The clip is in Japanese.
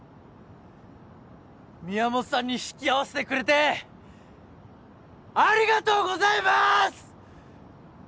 宮本さんに引き合わせてくれてありがとうございまーす！